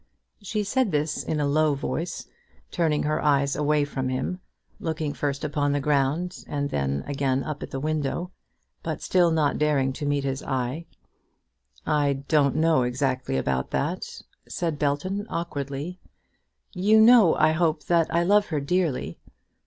She said this in a low voice, turning her eyes away from him, looking first upon the ground, and then again up at the window, but still not daring to meet his eye. "I don't exactly know about that," said Belton awkwardly. "You know, I hope, that I love her dearly."